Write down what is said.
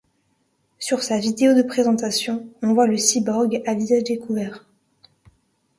Sur sa vidéo de présentation, on voit le cyborg à visage découvert.